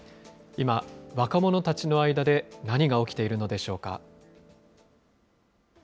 今、若者たちの間で何が起きているのでしょうか。